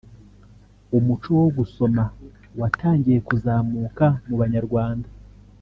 umuco wo gusoma watangiye kuzamuka mu Banyarwanda